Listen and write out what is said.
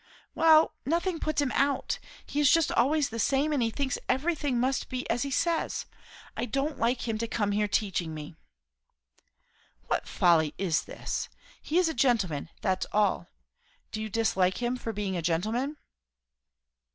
"Well, nothing puts him out. He is just always the same; and he thinks everything must be as he says. I don't like him to come here teaching me." "What folly is this? He is a gentleman, that's all. Do you dislike him for being a gentleman?"